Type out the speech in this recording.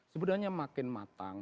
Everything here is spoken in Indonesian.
sebenarnya makin matang